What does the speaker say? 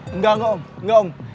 engga engga om